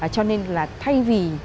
cho nên là thay vì